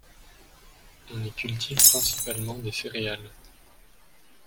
On y cultive principalement des céréales.